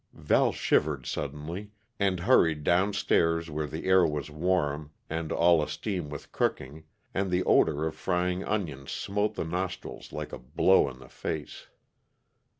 Val shivered suddenly, and hurried down stairs where the air was warm and all a steam with cooking, and the odor of frying onions smote the nostrils like a blow in the face.